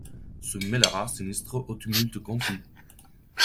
Se mêlera sinistre au tumulte confus